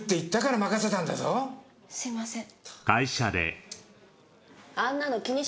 すいません。